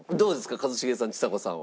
一茂さんちさ子さんは。